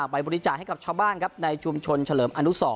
บริจาคให้กับชาวบ้านครับในชุมชนเฉลิมอนุสร